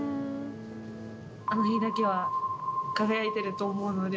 あの日だけは輝いてると思うので。